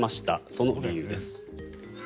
その理由です。